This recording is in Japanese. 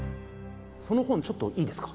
その本ちょっといいですか？